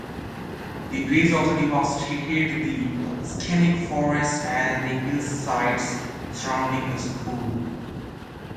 The blaze also devastated the scenic forests and hillsides surrounding the school.